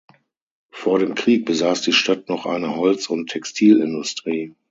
Vor dem Krieg besaß die Stadt noch eine Holz- und Textilindustrie.